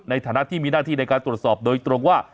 ในฐานะที่มีหน้าที่ในการตรวจสอบโดยตรงว่า